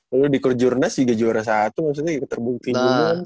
kalo dikur jurnas juga juara satu maksudnya terbukti dulu kan cel